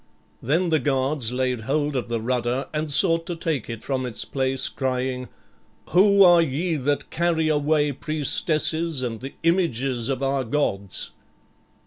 Then the guards laid hold of the rudder and sought to take it from its place, crying, "Who are ye that carry away priestesses and the images of our gods?"